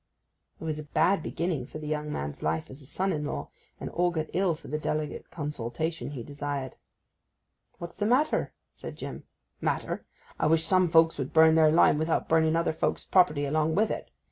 It was a bad beginning for the young man's life as a son in law, and augured ill for the delicate consultation he desired. 'What's the matter?' said Jim. 'Matter! I wish some folks would burn their lime without burning other folks' property along wi' it.